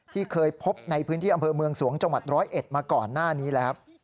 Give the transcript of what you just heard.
ที่เคยพบในพื้นที่อำเภอเมืองสวงจังหวัดร้อยเอ็ดมาก่อนหน้านี้แล้ว